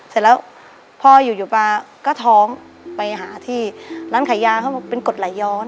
เสร็จแล้วพ่ออยู่อยู่ปลาก็ท้องไปหาที่ร้านขายยาเขาบอกเป็นกดไหลย้อน